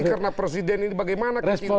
karena presiden ini bagaimana kecintaan